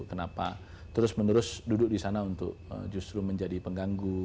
kenapa terus menerus duduk di sana untuk justru menjadi pengganggu